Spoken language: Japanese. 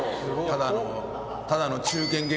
ただの。